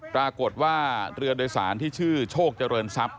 ปรากฏว่าเรือโดยสารที่ชื่อโชคเจริญทรัพย